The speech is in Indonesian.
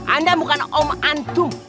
anda bukan om antum